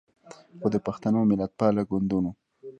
خو د پښتنو ملتپاله ګوندونو